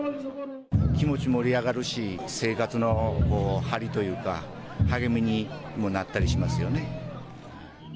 気持ち盛り上がるし生活の張りというか励みにもなったりしますよね。